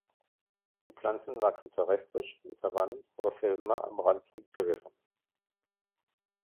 Die Pflanzen wachsen terrestrisch in Savannen oder seltener am Rand von Gewässern.